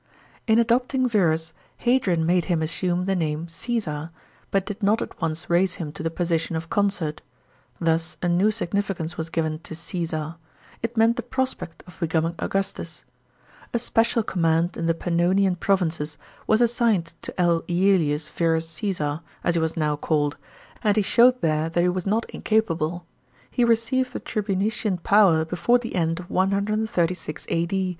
In adopting Verus, Hadrian made him assume the name Ceesar, but did not at once raise him to the position of consort. Thus a 186 138 A.D. LI UIUS VERUS. 517 new significance was given to Caesar; it meant the prospect of becoming Augustus. A special command in the Pannonian provinces was assigned to L. ./Elius Verus Caesar, as he was now called, and he showed there that he was not incapable. He received the tribunician power before the end of 136 A.D.